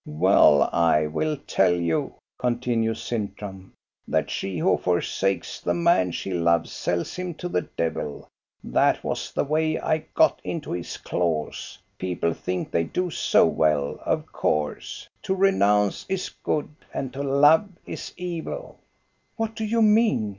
"Well, I will tell you," continues Sintram, "that she who forsakes the man she loves sells him to the devil. That was the way I got into his claws. People think they do so well, of course; to renounce is good, and to love is evil." "What do you mean?